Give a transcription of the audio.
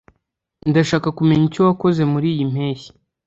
ndashaka kumenya icyo wakoze muriyi mpeshyi